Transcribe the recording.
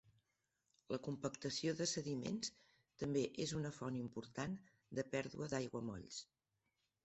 La compactació de sediments també és una font important de pèrdua d'aiguamolls.